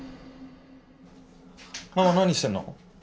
ママ何してんの？